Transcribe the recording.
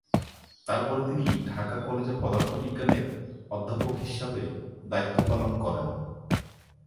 তারপরে তিনি ঢাকা কলেজে পদার্থবিজ্ঞানের অধ্যাপক হিসাবে দায়িত্ব পালন করেন।